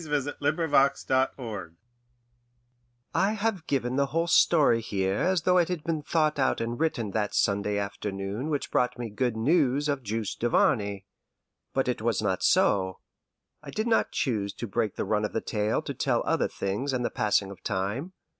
VII. "QUOTH LITTLE GARAINE" I have given the whole story here as though it had been thought out and written that Sunday afternoon which brought me good news of Juste Duvarney. But it was not so. I did not choose to break the run of the tale to tell of other things and of the passing of time.